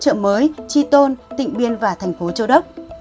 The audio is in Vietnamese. châu đông an phú chợ mới tri tôn tỉnh biên và thành phố châu đốc